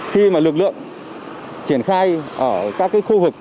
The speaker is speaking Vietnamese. khi mà lực lượng triển khai ở các khu vực đầu bến đầu mỏ bán xe các khu vực đầu bến đầu mỏ bán xe